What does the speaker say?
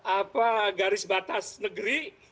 apa garis batas negeri